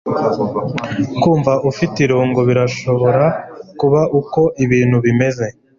kumva ufite irungu birashobora kuba uko ibintu bimeze